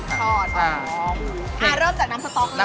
อ่าเริ่มจากน้ำสต๊อกเลย